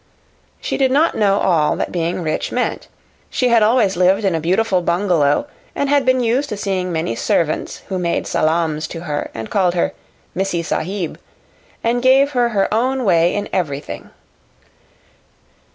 She did not know all that being rich meant. She had always lived in a beautiful bungalow, and had been used to seeing many servants who made salaams to her and called her "Missee Sahib," and gave her her own way in everything.